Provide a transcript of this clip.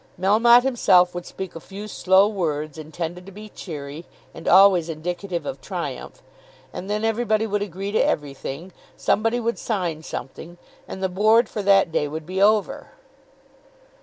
Melmotte himself would speak a few slow words, intended to be cheery, and always indicative of triumph, and then everybody would agree to everything, somebody would sign something, and the "Board" for that day would be over.